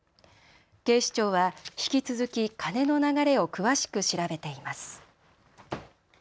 警視庁は引き続き金の流れを詳しく調べています。